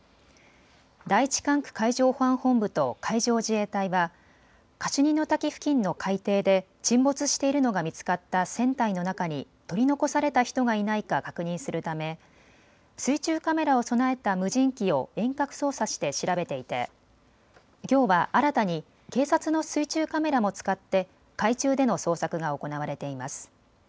第１管区海上保安本部と海上自衛隊はカシュニの滝付近の海底で沈没しているのが見つかった船体の中に取り残された人がいないか確認するため水中カメラを備えた無人機を遠隔操作して調べていてきょうは新たに警察の水中カメラも使って海中での捜索が行われています。